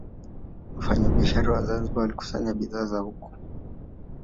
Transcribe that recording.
Wafanyabiashara wa Zanzibar walikusanya bidhaa zao huko